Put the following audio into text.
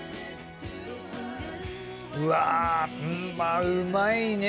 うわっうまいね。